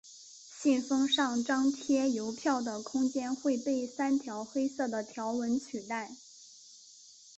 信封上张贴邮票的空间会被三条黑色的条纹取代。